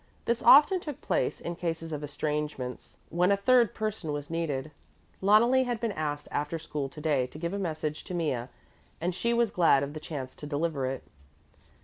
This often took place in cases of estrangements when a third person was needed. Loneli had been asked after school to day to give a message to Mea and she was glad of the chance to deliver it.